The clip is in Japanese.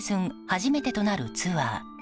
初めてとなるツアー。